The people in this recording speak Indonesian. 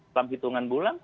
dalam hitungan bulan